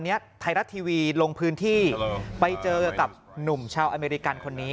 ไทยรัฐทีวีลงพื้นที่ไปเจอกับหนุ่มชาวอเมริกันคนนี้